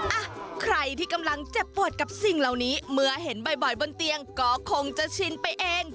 อ่ะใครที่กำลังเจ็บปวดกับสิ่งเหล่านี้เมื่อเห็นบ่อยบนเตียงก็คงจะชินไปเอง